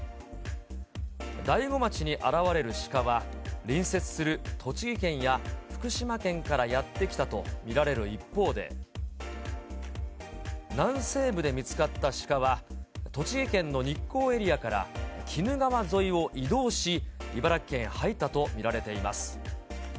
大子町に現れるシカは、隣接する栃木県や福島県からやって来たと見られる一方で、南西部で見つかったシカは、栃木県の日光エリアから鬼怒川沿いを移動し、茨城県へ入ったと見られています。